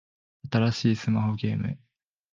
新しいスマホゲーム